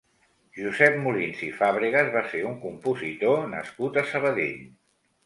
Josep Molins i Fàbregas va ser un compositor nascut a Sabadell.